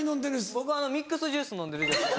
僕ミックスジュース飲んでる女性が。